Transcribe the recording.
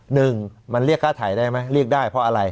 หนึ่งมันเรียกค่าถ่ายได้ไหมเรียกได้เพราะอะไร